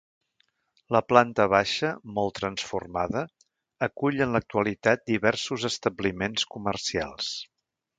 La planta baixa, molt transformada, acull en l'actualitat diversos establiments comercials.